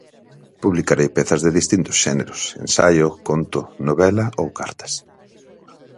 Publicarei pezas de distintos xéneros, ensaio, conto, novela ou cartas.